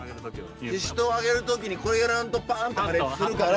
ししとう揚げる時にこれやらんとパーンと破裂するから。